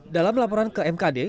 dalam laporan ke mkd